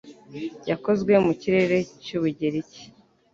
Yakozwe mu kirere cy'Ubugereki